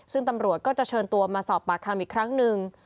ซึ่งตำรวจก็จะเชิญตัวมาสอบปากคำอีกครั้งหนึ่ง